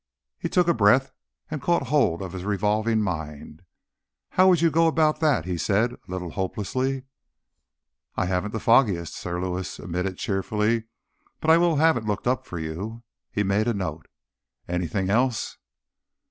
He took a breath and caught hold of his revolving mind. "How would you go about that?" he said, a little hopelessly. "I haven't the foggiest," Sir Lewis admitted cheerfully. "But I will have it looked up for you." He made a note. "Anything else?"